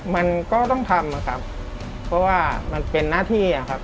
มันก็ต้องทำเพราะว่ามันเป็นนาธิ